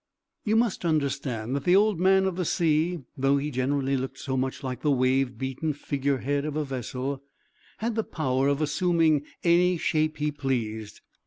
You must understand that the Old Man of the Sea, though he generally looked so much like the wave beaten figurehead of a vessel, had the power of assuming any shape he pleased.